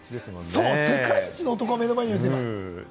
世界一の男が目の前にいるんですよ。